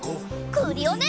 クリオネ！